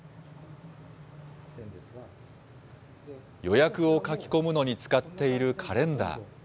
予約を書き込むのに使っているカレンダー。